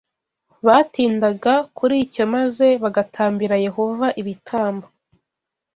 batindaga kuri cyo maze bagatambira Yehova ibitambo